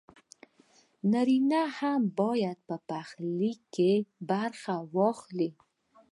نارينه هم بايد په پخلي کښې برخه واخلي